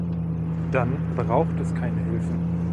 Dann braucht es keine Hilfen.